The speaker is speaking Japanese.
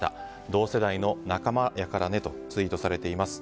同世代の仲間やからねとツイートされています。